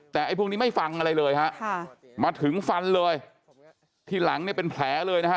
แต่ไอ้พวกนี้ไม่ฟังอะไรเลยฮะค่ะมาถึงฟันเลยที่หลังเนี่ยเป็นแผลเลยนะฮะ